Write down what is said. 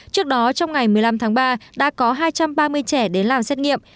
trước đó trong ngày một mươi năm tháng ba đã có hai trăm ba mươi trẻ đến làm xét nghiệm